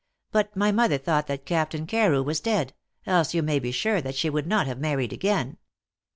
"But my mother thought that Captain Carew was dead, else you may be sure that she would not have married again."